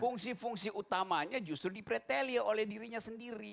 fungsi fungsi utamanya justru dipretelia oleh dirinya sendiri